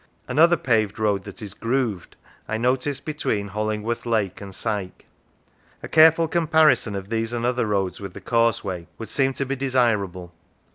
Another paved road that is grooved I noticed between Holling worth Lake and Syke. A careful comparison of these and other roads with the causeway would seem to be desirable.